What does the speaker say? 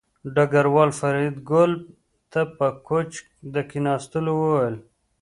ډګروال فریدګل ته په کوچ د کېناستلو وویل